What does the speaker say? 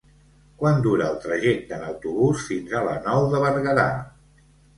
Quant dura el trajecte en autobús fins a la Nou de Berguedà?